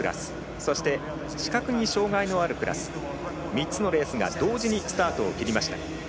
そして視覚に障がいのあるクラス３つのレースが同時にスタートを切りました。